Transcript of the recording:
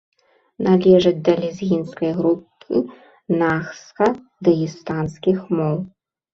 Належыць да лезгінскай групы нахска-дагестанскіх моў.